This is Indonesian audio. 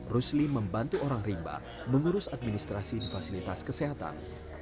rusli membantu orang rimba mengurus administrasi di fasilitas kesehatan